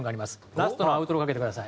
ラストのアウトロかけてください。